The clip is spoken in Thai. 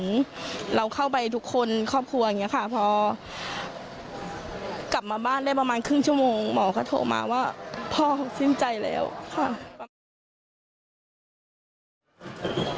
ใจทุกคนครอบครัวอย่างเงี้ยค่ะพอกลับมาบ้านได้ประมาณครึ่งชั่วโมงหมอเขาโทรมาว่าพ่อเขาสิ้นใจแล้วค่ะ